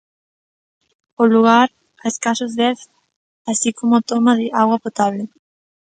O lugar, a escasos dez así como toma de auga potable.